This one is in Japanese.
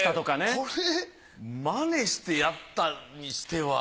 これ真似してやったにしては。